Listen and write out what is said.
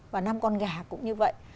và năm con gà cũng như vậy